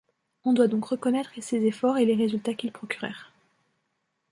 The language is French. On doit donc reconnaître et ses efforts et les résultats qu'ils procurèrent.